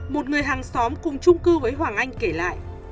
một người hàng xóm cùng chung cư với hoàng anh kể lại